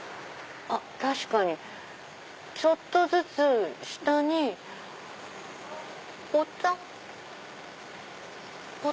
確かにちょっとずつ下にぽたっ。